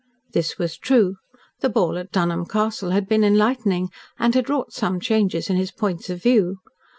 This was true. The ball at Dunholm Castle had been enlightening, and had wrought some changes in his points of view.